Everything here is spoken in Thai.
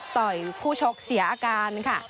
ต่อยผู้ชกเสียอาการค่ะ